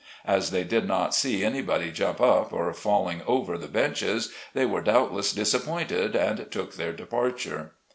As they did not see anybody jump up, or falling over the benches, they were doubtless disappointed and took their departure.